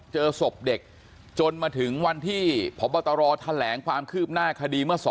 เจอศพเด็กจนมาถึงวันที่พบตรแถลงความคืบหน้าคดีเมื่อ๒